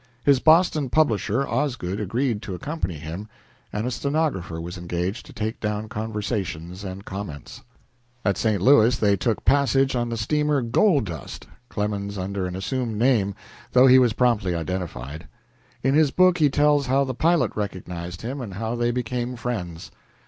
His Boston publisher, Osgood, agreed to accompany him, and a stenographer was engaged to take down conversations and comments. At St. Louis they took passage on the steamer "Gold Dust" Clemens under an assumed name, though he was promptly identified. In his book he tells how the pilot recognized him and how they became friends.